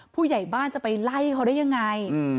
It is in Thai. ผู้ใหญ่บ้านจะไปไล่เขาได้ยังไง